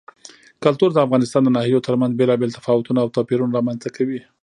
کلتور د افغانستان د ناحیو ترمنځ بېلابېل تفاوتونه او توپیرونه رامنځ ته کوي.